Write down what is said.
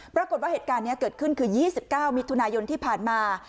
ปรากฏว่าเหตุการณ์นี้เกิดขึ้นคือ๒๙มิถุนายนที่ผ่านมา